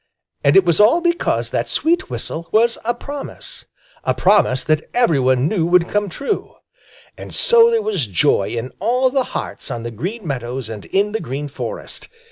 And it was all because that sweet whistle was a promise, a promise that every one knew would come true. And so there was joy in all the hearts on the Green Meadows and in the Green Forest.